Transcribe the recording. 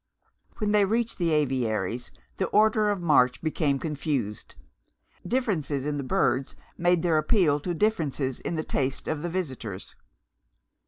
When they reached the aviaries the order of march became confused; differences in the birds made their appeal to differences in the taste of the visitors.